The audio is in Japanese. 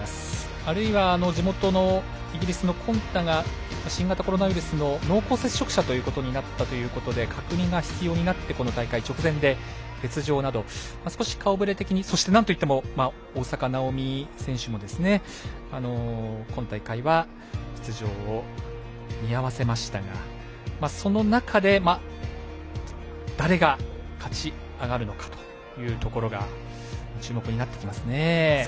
あるいは地元イギリスのコンタが新型コロナウイルスの濃厚接触者になったということで隔離が必要になってこの大会の直前で欠場など少し顔ぶれ的になんといっても大坂なおみ選手も今大会は出場を見合わせましたがその中で誰が勝ち上がるのかというところが注目になってきますね。